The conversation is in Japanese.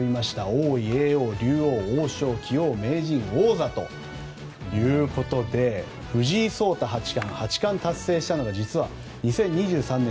王位、叡王、竜王王将、棋王、名人王座ということで藤井聡太八冠、八冠達成したのが実は２０２３年。